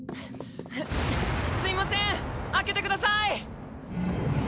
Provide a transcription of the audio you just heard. すいません開けてください！